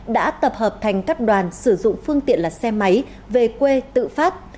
đã tập hợp thành các đoàn sử dụng phương tiện là xe máy về quê tự phát